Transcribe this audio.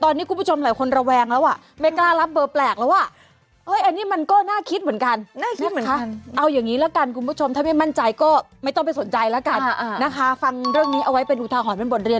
นะคะฟังเรื่องนี้เอาไว้เป็นอุทาหรณ์เป็นบทเรียน